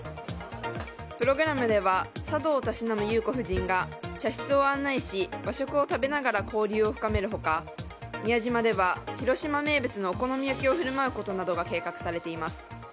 プログラムでは茶道をたしなむ裕子夫人が茶室を案内し、和食を食べながら交流を深める他宮島では、広島名物のお好み焼きを振る舞うことなどが計画されています。